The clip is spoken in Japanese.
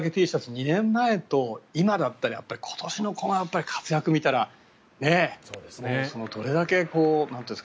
２年前と今だったら今年の活躍を見たらどれだけ。